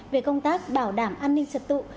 về công tác bảo đảm an ninh trật tụ